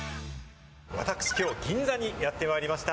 私きょう、銀座にやってまいりました。